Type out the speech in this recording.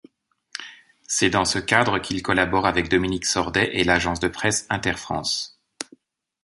C'est dans ce cadre qu'il collabore avec Dominique Sordet et l'Agence de presse Inter-France.